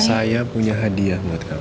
saya punya hadiah buat kamu